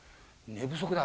寝不足だ。